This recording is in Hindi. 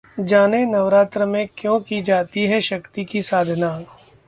जानें, नवरात्र में क्यों की जाती है शक्ति की साधना?